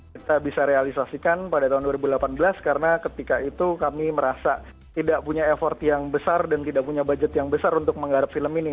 kita bisa realisasikan pada tahun dua ribu delapan belas karena ketika itu kami merasa tidak punya effort yang besar dan tidak punya budget yang besar untuk menggarap film ini